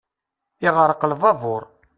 Iɣreq lbabur.